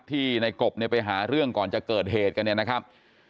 ที่ในกบเนี่ยไปหาเรื่องก่อนจะเกิดเหตุกันเนี่ยนะครับ